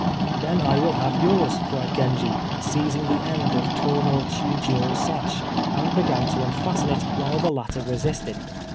"Then I will have yours," cried Genji, seizing the end of Tô no Chiûjiô's sash, and beginning to unfasten it, while the latter resisted.